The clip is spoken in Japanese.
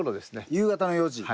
夕方の４時。